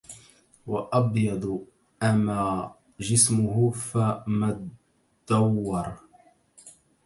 وأبيض أما جسمه فمدور